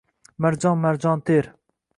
Marjon-marjon ter…